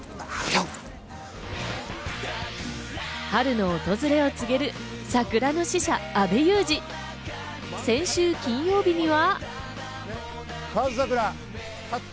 春の訪れを告げる桜の使者・阿部祐二、先週金曜日には。